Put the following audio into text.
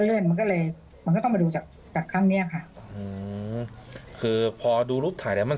เลื่อนมันก็เลยก็มาดูจากครั้งนี้ค่ะพอดูรูปถ่ายแล้วมัน